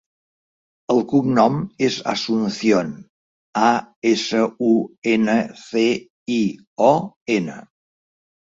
El cognom és Asuncion: a, essa, u, ena, ce, i, o, ena.